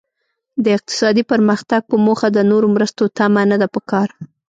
د اقتصادي پرمختګ په موخه د نورو مرستو تمه نده پکار.